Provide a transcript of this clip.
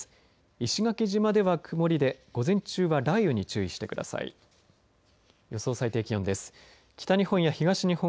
石垣島では曇りで午前中は雷雨に注意してください。